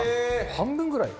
半分ぐらい？